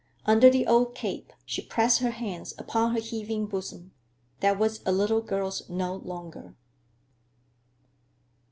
Under the old cape she pressed her hands upon her heaving bosom, that was a little girl's no longer.